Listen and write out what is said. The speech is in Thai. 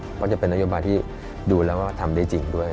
เพราะจะเป็นนโยบายที่ดูแล้วก็ทำได้จริงด้วย